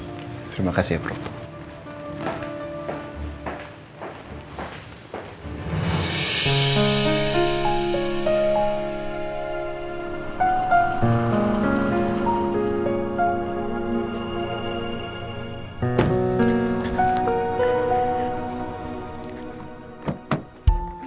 terima kasih ya prof